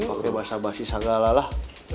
pakai bahasa bahasa segala lah